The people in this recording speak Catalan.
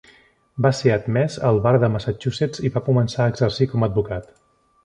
Va ser admès al bar de Massachusetts i va començar a exercir com a advocat.